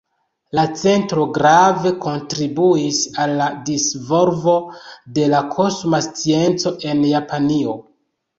La centro grave kontribuis al la disvolvo de la kosma scienco en Japanio.